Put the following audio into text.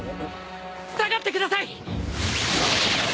下がってください！